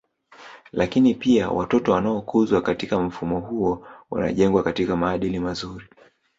Lakini pia watoto wanaokuzwa katika mfumo huo wanajengwa katika maadili mazuri